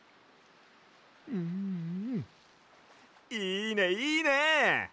うんうんいいねいいね！